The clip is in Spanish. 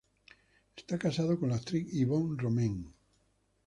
Está casado con la actriz Yvonne Romain.